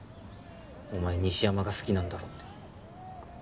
お前西山が好きなんだろって。